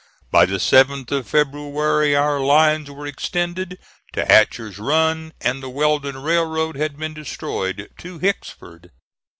By the 7th of February, our lines were extended to Hatcher's Run, and the Weldon Railroad had been destroyed to Hicksford.